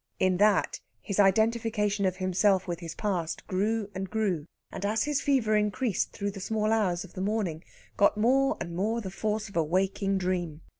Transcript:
In that, his identification of himself with his past grew and grew, and as his fever increased through the small hours of the morning, got more and more the force of a waking dream.